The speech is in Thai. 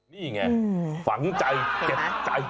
นี่ไงฝังใจเจ็บใจ